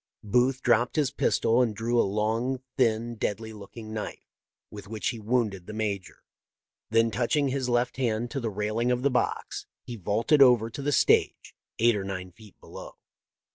Booth dropped his pistol and drew a long, thin, deadly looking knife, with which he wounded the major. Then, touching his left hand to the railing of the box, he vaulted over to the stage, eight or nine feet below.